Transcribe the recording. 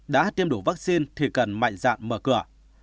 đã tiêm đủ vaccine thì cần mạnh dạn mở cửa